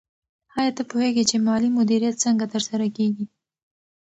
آیا ته پوهېږې چې مالي مدیریت څنګه ترسره کېږي؟